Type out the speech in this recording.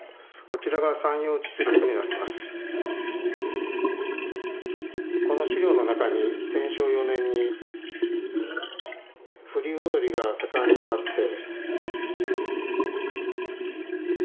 この史料の中に天正４年に「風流踊りが盛んになって」。